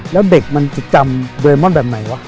แล้วเด็กมันจะจำเรมอนแบบไหนวะ